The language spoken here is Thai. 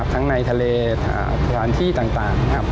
ทั้งในทะเลประทานที่ต่าง